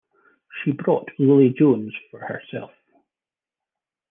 She brought Lily Jones for herself.